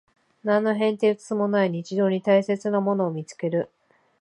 何の変哲もない日常に大切なものを見つける